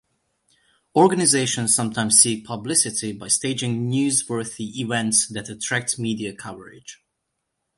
Organizations sometimes seek publicity by staging newsworthy events that attract media coverage.